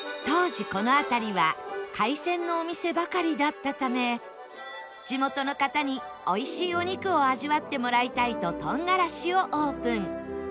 当時この辺りは海鮮のお店ばかりだったため地元の方においしいお肉を味わってもらいたいととんがらしをオープン